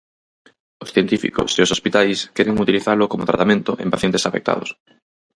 Os científicos e os hospitais queren utilizalo como tratamento en pacientes afectados.